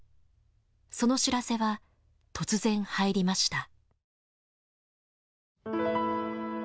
その知らせは突然入りました。